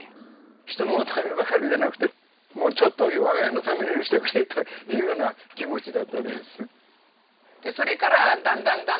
人のためばかりでなくてもうちょっと我が家のためにもしてくれというような気持ちだったです。